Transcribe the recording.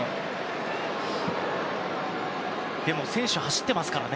でも、選手は走ってますからね。